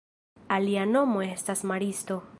Alia nomo estas maristo.